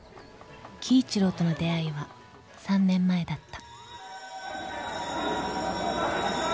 ［輝一郎との出会いは３年前だった］